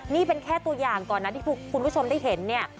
นี่เป็นแค่ตัวอย่างก่อนนะที่คุณผู้ชมได้เห็นเนี่ย